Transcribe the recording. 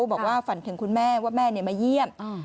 บอกว่าฝันถึงคุณแม่ว่าแม่มาเยี่ยม